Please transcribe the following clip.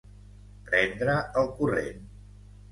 Prendre el corrent.